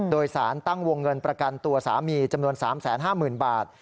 โดยสารตั้งวงเงินประกันตัวสามีจำนวน๓๕๐๐๐บาท